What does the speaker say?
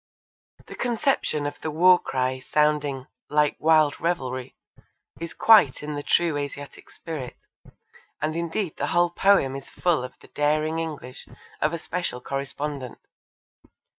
The conception of the war cry sounding 'like wild revelrie' is quite in the true Asiatic spirit, and indeed the whole poem is full of the daring English of a special correspondent.